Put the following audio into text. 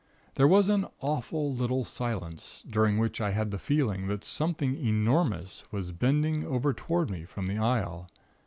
There was an awful little silence, during which I had the feeling that something enormous was bending over toward me, from the aisle....